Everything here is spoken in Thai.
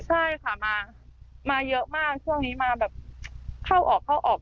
ใช่ค่ะมาเยอะมากช่วงนี้มาแบบเข้าออกเข้าออก